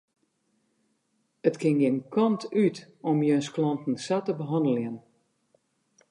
It kin gjin kant út om jins klanten sa te behanneljen.